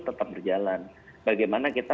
tetap berjalan bagaimana kita